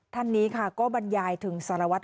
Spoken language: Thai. ท่านนี้ค่ะก็บรรยายถึงสารวัตน์เอาไว้